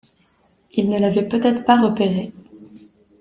Ils ne l’avaient peut-être pas repéré.